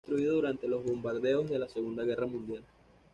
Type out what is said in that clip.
Fue destruido durante los bombardeos de la Segunda Guerra Mundial.